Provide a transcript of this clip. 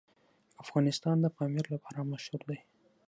افغانستان د پامیر لپاره مشهور دی.